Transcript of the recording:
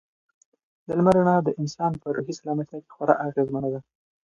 د لمر رڼا د انسان په روحي سلامتیا کې خورا اغېزمنه ده.